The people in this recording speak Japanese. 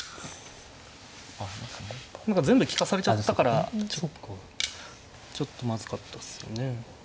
何か全部利かされちゃったからちょっとまずかったっすよね。